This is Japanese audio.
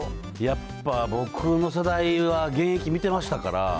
やっぱ僕の世代は現役見てましたから。